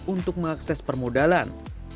untuk mengakses permodalan